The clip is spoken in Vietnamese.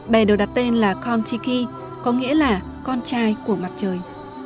bè đều đặt tên là contiki có nghĩa là con trai của mặt trời